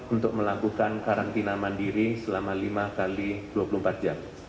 untuk melakukan karantina mandiri selama lima x dua puluh empat jam